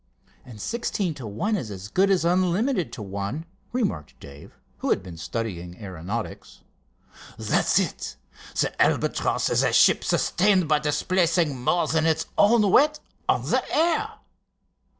"And sixteen to one is as good as unlimited to one," remarked Dave, who had been studying aeronautics. "That's it. The Albatross is a ship sustained by displacing more than its own weight on the air.